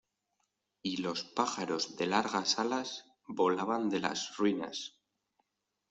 y los pájaros de largas alas volaban de las ruinas.